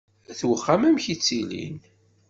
At uxxam, amek i ttilin?